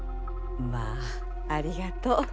まあありがとう。